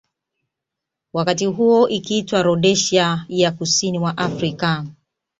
Wakati huo ikiitwa Rhodesia ya kusini mwa Afrika